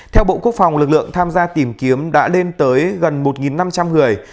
theo bộ quốc phòng lực lượng tham gia tìm kiếm đã lên tới gần một năm trăm linh người